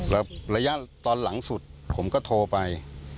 ระยะตอนหลังสุดผมก็โทรไป